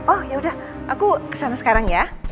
oh ya udah aku kesana sekarang ya